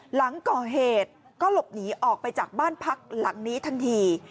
หลังก่อเหตุก็หลบหนีออกไปจากบ้านพักหลังนี้ทันที